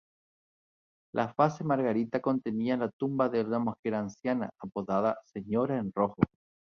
La fase Margarita contenía la tumba de una mujer anciana, apodada "Señora en Rojo".